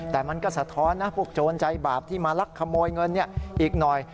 แต่มันก็สะท้อนนะพวกโจรใจบาปที่มาลักขโมยเงินอีกหน่อย